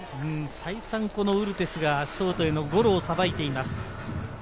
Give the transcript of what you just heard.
再三ウルテスがショートへのゴロをさばいています。